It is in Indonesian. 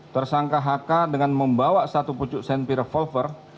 tersangka hk dengan membawa satu pucuk sen pi revolver